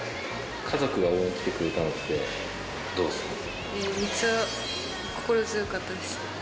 家族が応援に来てくれたのっめっちゃ心強かったです。